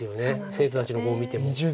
生徒たちの碁を見ても。